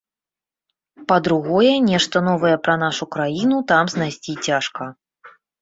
Па-другое, нешта новае пра нашу краіну там знайсці цяжка.